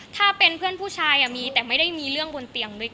ถ้าเป็นเพื่อนผู้ชายมีแต่ไม่ได้มีเรื่องบนเตียงด้วย